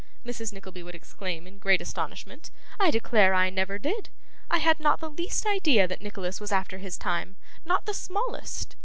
Mrs. Nickleby would exclaim in great astonishment; 'I declare I never did! I had not the least idea that Nicholas was after his time, not the smallest.